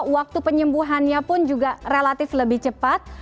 waktu penyembuhannya pun juga relatif lebih cepat